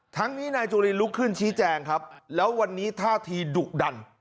ทั้งนี้นายจุลินลุกขึ้นชี้แจงครับแล้ววันนี้ท่าทีดุดัน